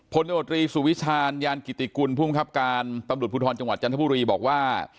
โนตรีสุวิชาญยานกิติกุลภูมิคับการตำรวจภูทรจังหวัดจันทบุรีบอกว่า